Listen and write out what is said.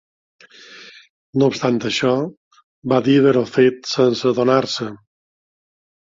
No obstant això, va dir haver-ho fet sense adonar-se.